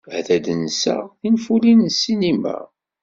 Ad d-nseɣ tinfulin n ssinima.